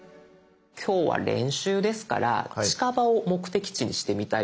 今日は練習ですから近場を目的地にしてみたいと思うんです。